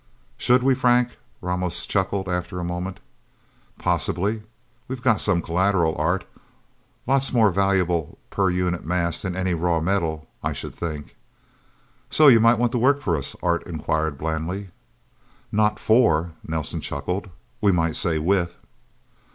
"Should we, Frank?" Ramos chuckled after a moment. "Possibly... We've got some collateral, Art. Lots more valuable per unit mass than any raw metal, I should think." "So you might want to work for us?" Art inquired blandly. "Not 'for'," Nelsen chuckled. "We might say 'with'."